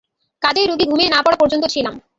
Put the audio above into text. কাজেই রুগী ঘুমিয়ে না-পড়া পর্যন্ত ছিলাম।